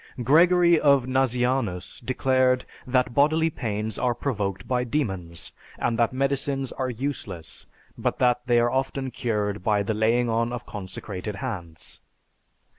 Gregory of Nazianzus declared that bodily pains are provoked by demons, and that medicines are useless, but that they are often cured by the laying on of consecrated hands.